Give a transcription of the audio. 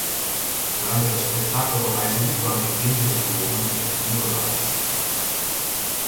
Durante lo spettacolo ha eseguito anche "Dangerous Woman" e "Be Alright".